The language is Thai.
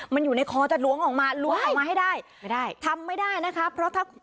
มันอยู่ในคอจะล้วงออกมาล้วงออกมาให้ได้ไม่ได้ทำไม่ได้นะคะเพราะถ้า